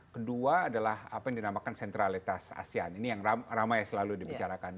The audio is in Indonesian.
kedua adalah apa yang dinamakan sentralitas asean ini yang ramai selalu dibicarakan